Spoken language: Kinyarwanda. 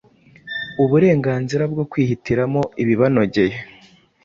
uburenganzira bwo kwihitiramo ibibanogeye,